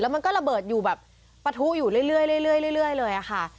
มันก็ระเบิดอยู่แบบปะทุอยู่เรื่อยเลยค่ะ